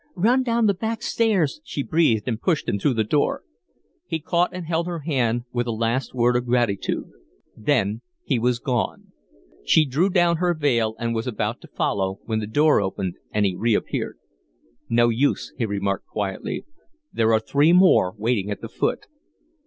"Run down the back stairs," she breathed, and pushed him through the door. He caught and held her hand with a last word of gratitude. Then he was gone. She drew down her veil and was about to follow when the door opened and he reappeared. "No use," he remarked, quietly. "There are three more waiting at the foot."